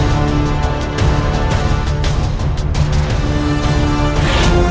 selesaikan saja pertarungan